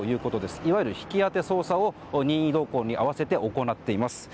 いわゆる引き当て捜査を任意同行に併せて行っています。